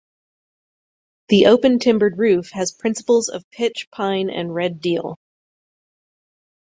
The open timbered roof has principals of pitch pine and red deal.